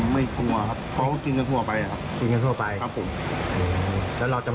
ไม่กลัวครับเพราะก็กินกันทั่วไปครับ